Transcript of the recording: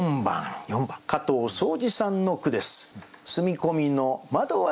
４番加藤草児さんの句です。